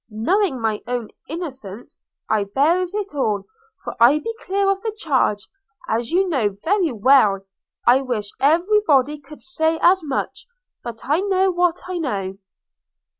Knowing my own innocence, I bears it all; for I be clear of the charge, as you know very well: I wish every body could say as much; but I know what I know.'